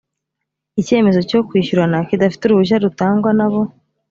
icyemezo cyo kwishyurana kidafite uruhushya rutangwa nabo